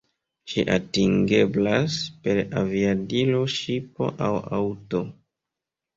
Ĝi atingeblas per aviadilo, ŝipo aŭ aŭto.